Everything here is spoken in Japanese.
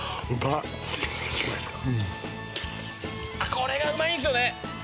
これがうまいんすよね。